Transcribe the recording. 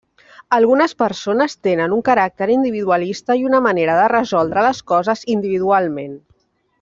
Algunes persones tenen un caràcter individualista i una manera de resoldre les coses individualment.